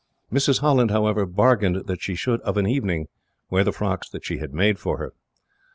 Mrs. Holland, however, bargained that she should, of an evening, wear the frocks she had made for her.